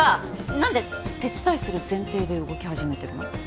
なんで手伝いする前提で動き始めてるの？